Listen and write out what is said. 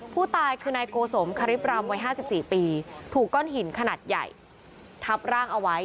ผู้ตายคือนายโกสมคริปรำวัย๕๔ปีถูกก้อนหินขนาดใหญ่ทับร่างเอาไว้